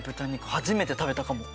初めて食べたかも。